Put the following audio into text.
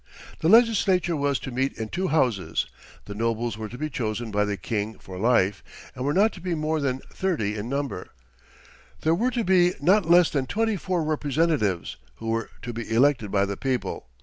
The legislature was to meet in two houses. The nobles were to be chosen by the King for life, and were not to be more than thirty in number. There were to be not less than twenty four representatives, who were to be elected by the people.